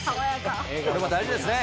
これも大事ですね。